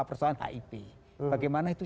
persoalan hip bagaimana itu